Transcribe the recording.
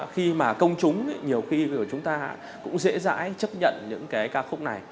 khi mà công chúng nhiều khi của chúng ta cũng dễ dãi chấp nhận những cái ca khúc này